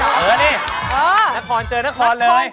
เออนี่นครเจอนครเลย